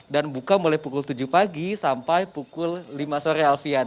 dan buka mulai pukul tujuh pagi sampai pukul lima sore alfian